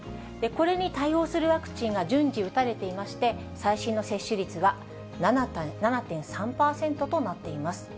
これに対応するワクチンが順次打たれていまして、最新の接種率は７．３％となっています。